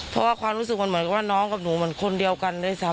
เพราะว่าความรู้สึกมันเหมือนกับว่าน้องกับหนูเหมือนคนเดียวกันด้วยซ้ำ